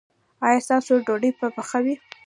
ایا ستاسو ډوډۍ به پخه وي؟